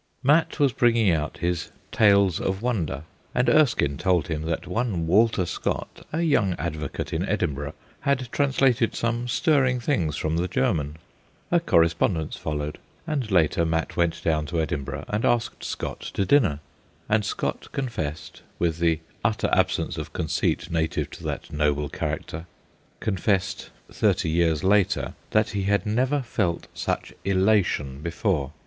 Mat was bringing out his Tales of Wonder, and Erskine told him that one Walter Scott, a young advocate in Edinburgh, had trans lated some stirring things from the German. A correspondence followed, and later Mat went down to Edinburgh and asked Scott to dinner, and Scott confessed with the LITTLE WEAKNESSES 79 utter absence of conceit native to that noble character confessed, thirty years later, that he had never felt such elation before.